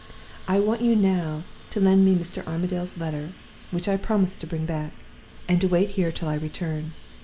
I want you now to lend me Mr. Armadale's letter (which I promise to bring back) and to wait here till I return.